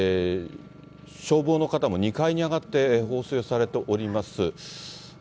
消防の方も２階に上がって放水をされております。